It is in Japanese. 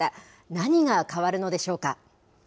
何が変わるのでしょうか。